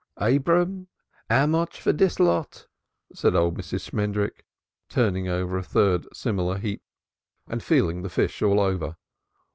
"Abraham, 'ow mosh for dees lot," said old Mrs. Shmendrik, turning over a third similar heap and feeling the fish all over.